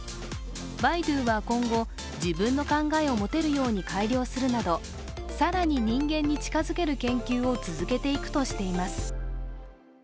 バイドゥは今後、自分の考えを持てるように改良するなど更に人間に近づける研究を続けていくとしています。